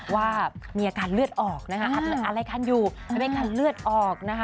ว่ามีอาการเลือดออกนะคะอะไรคันอยู่จะได้คันเลือดออกนะคะ